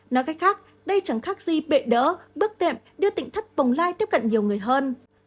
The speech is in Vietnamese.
nói cách khác đây chẳng khác gì bệ đỡ bước đệm đưa tỉnh thất bồng lai tiếp cận nhiều người hơn